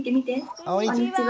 こんにちは。